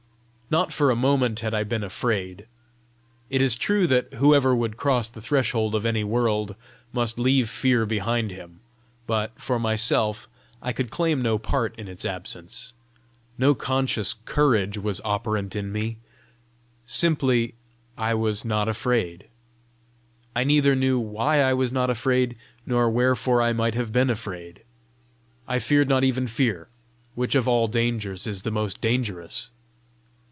Not for a moment had I been afraid. It is true that whoever would cross the threshold of any world, must leave fear behind him; but, for myself, I could claim no part in its absence. No conscious courage was operant in me; simply, I was not afraid. I neither knew why I was not afraid, nor wherefore I might have been afraid. I feared not even fear which of all dangers is the most dangerous.